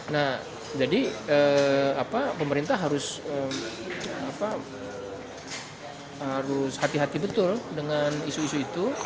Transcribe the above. nah jadi pemerintah harus hati hati betul dengan isu isu itu